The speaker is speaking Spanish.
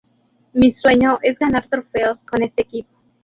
Mi sueño es ganar trofeos con este equipo.